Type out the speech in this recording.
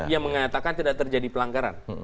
yang mengatakan tidak terjadi pelanggaran